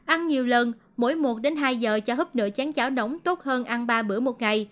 ăn nhiều lần mỗi một đến hai giờ cho hấp nửa chán cháo nóng tốt hơn ăn ba bữa một ngày